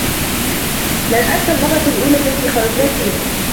لن أنس المرّة الأولى التي خرجنا فيها.